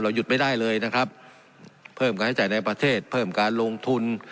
หยุดไม่ได้เลยนะครับเพิ่มการใช้จ่ายในประเทศเพิ่มการลงทุน